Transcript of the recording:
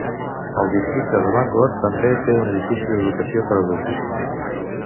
El districte de Bangor també té un edifici d'Educació per a adults.